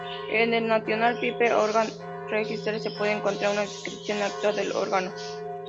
En el "National Pipe Organ Register" se puede encontrar una descripción actual del órgano.